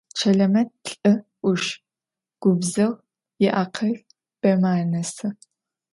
Çelemet lh'ı 'uşş, gubzığ, yiakhıl beme anesı.